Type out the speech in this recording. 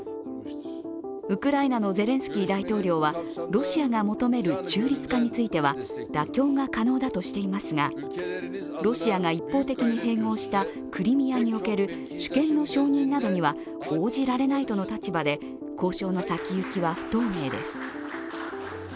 ウクライナのゼレンスキー大統領はロシアが求める中立化については妥協が可能だとしていますが、ロシアが一方的に併合したクリミアにおける主権の承認などには応じられないとの立場で交渉の先行きは不透明です。